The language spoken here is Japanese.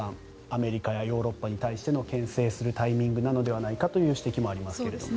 アメリカやヨーロッパに対してけん制するタイミングなのではないかという指摘もあります。